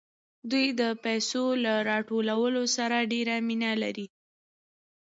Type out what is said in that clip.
دوی د پیسو له راټولولو سره ډېره مینه لري